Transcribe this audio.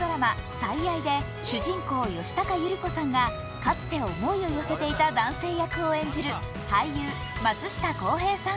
「最愛」で主人公・吉高由里子さんがかつて思いを寄せていた男性役を演じる俳優・松下洸平さん。